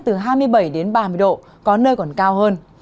từ hai mươi bảy đến ba mươi độ có nơi còn cao hơn